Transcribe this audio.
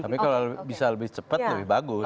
tapi kalau bisa lebih cepat lebih bagus